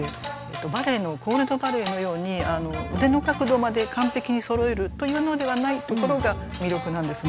バレエのコール・ド・バレエのように腕の角度まで完璧にそろえるというのではないところが魅力なんですね。